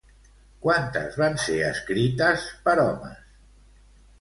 Quantes van ser escrites per homes?